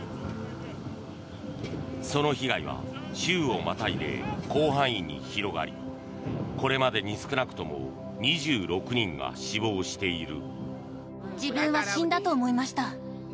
その被害は州をまたいで広範囲に広がりこれまでに少なくとも２６人が死亡している。